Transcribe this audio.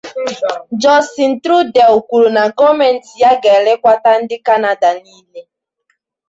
Justin Trudeau kwuru na gọọmenti ya ga-elekwata ndị Kanada niile